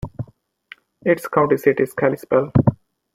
Its county seat is Kalispell.